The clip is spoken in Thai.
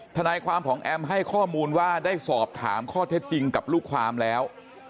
ทนายความของแอมให้ข้อมูลว่าได้สอบถามข้อเท็จจริงกับลูกความแล้ว